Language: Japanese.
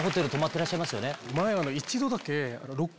前一度だけ。